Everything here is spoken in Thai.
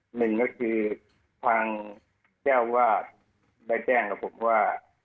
หนึ่งก็คือทางเจ้าวาดได้แจ้งกับผมว่า